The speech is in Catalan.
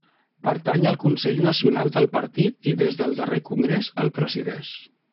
Pertany al Consell Nacional del partit i des del darrer congrés el presideix.